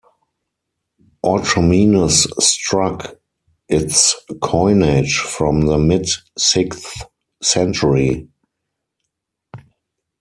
Orchomenos struck its coinage from the mid-sixth century.